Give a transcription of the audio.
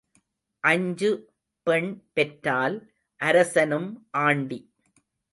அஞ்சு பெண் பெற்றால் அரசனும் ஆண்டி.